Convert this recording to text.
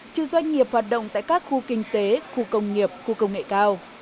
chứ doanh nghiệp hoạt động tại các khu kinh tế khu công nghiệp khu công nghệ cao